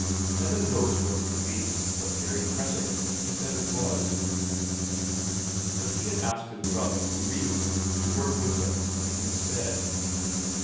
Heaven knows what it could be, but very pressing, he said it was. But he had asked his brother from Breidablik to work with them in his stead.